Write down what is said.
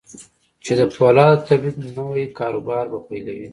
چې د پولادو د توليد نوي کاروبار به پيلوي.